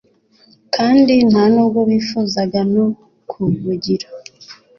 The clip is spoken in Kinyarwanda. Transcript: kandi nta nubwo bifuzaga no kubugira.